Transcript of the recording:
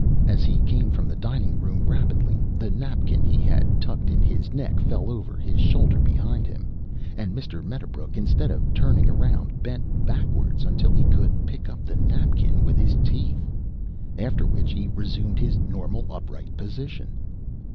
As he came from the dining room rapidly, the napkin he had had tucked in his neck fell over his shoulder behind him, and Mr. Medderbrook, instead of turning around bent backward until he could pick up the napkin with his teeth, after which he resumed his normal upright position.